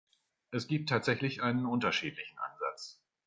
Es gibt tatsächlich einen unterschiedlichen Ansatz.